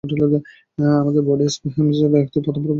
আমাদের বাড়ি হ্যাঁম্পস্টেডে, এখানে আমরাই প্রথম ভারতীয় পরিবার।